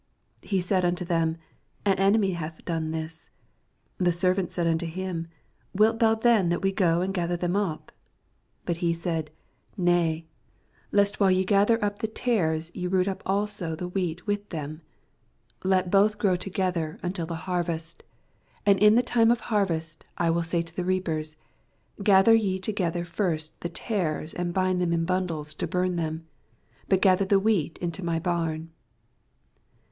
28 He said unto them, An enemy hath done this. The servants said unto him. Wilt thou then that we go and gather them up ? 29 But he said, Kay ; lest while ye 146 EXPOSITORY THOUGHTS. gather up the taii», ye root up also the wheat with them. 80 Let both gjow together until the hurrest: and in the time of harvest I will say to the reapers, Gather ye together first the tares, and bind them in Dandles to barn them : bat gather the wheat into my barn.